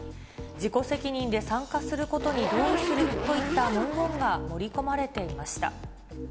自己責任で参加することに同意するといった文言が盛り込まれていました。